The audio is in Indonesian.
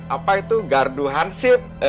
apa itu garduhan sip